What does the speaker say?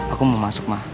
aku mau masuk ma